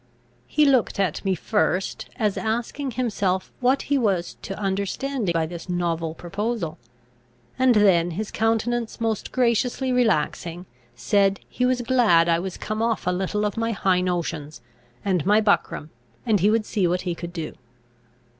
He looked at me first, as asking himself what he was to understand by this novel proposal; and then, his countenance most graciously relaxing, said, he was glad I was come off a little of my high notions and my buckram, and he would see what he could do.